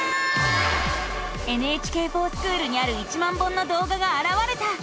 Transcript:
「ＮＨＫｆｏｒＳｃｈｏｏｌ」にある１万本の動画があらわれた！